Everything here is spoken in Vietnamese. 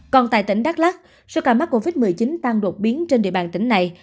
còn tại tỉnh đắk lắc số ca mắc covid một mươi chín tăng đột biến trên địa bàn tỉnh này